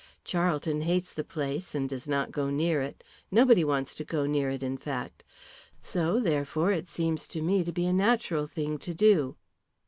Charlton hates the place and does not go near it nobody wants to go near it, in fact. So therefore it seems to me to be a natural thing to do."